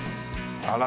あら。